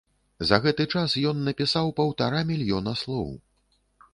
За гэты час ён напісаў паўтара мільёна слоў.